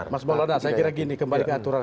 mas maulana saya kira gini kembali ke aturan